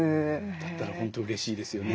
だったら本当うれしいですよね。